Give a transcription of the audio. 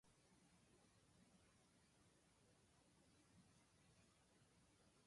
人生のほうはまだ、あなたに対する期待を捨てていないはずだ